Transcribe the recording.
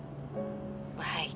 「はい」